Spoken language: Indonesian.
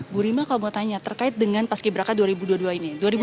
bu rima kalau mau tanya terkait dengan paski beraka dua ribu dua puluh dua ini